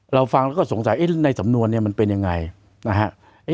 เราฟังแล้วก็สงสัยในสำนวนมันเป็นอย่างไร